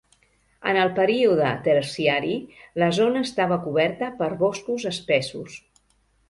En el període terciari, la zona estava coberta per boscos espessos.